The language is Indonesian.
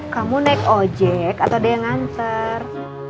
kamu naik ojek atau dia yang nganter